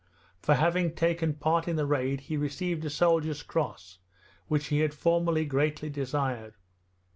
For having taken part in the raid he received a soldier's cross, which he had formerly greatly desired.